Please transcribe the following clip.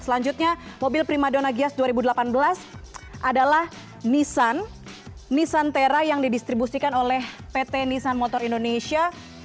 selanjutnya mobil prima dona gias dua ribu delapan belas adalah nissan nisan tera yang didistribusikan oleh pt nissan motor indonesia